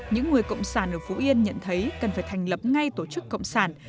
những người cộng sản ở phú yên nhận thấy cần phải thành lập ngay tổ chức cộng sản